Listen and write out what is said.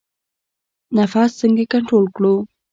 نفس څنګه کنټرول کړو؟